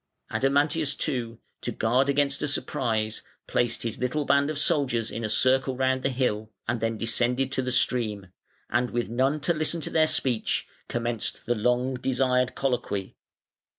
Adamantius, too, to guard against a surprise, placed his little band of soldiers in a circle round the hill, and then descended to the stream, and with none to listen to their speech, commenced the long desired colloquy.